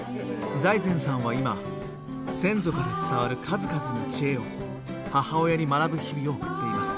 財前さんは今先祖から伝わる数々の知恵を母親に学ぶ日々を送っています。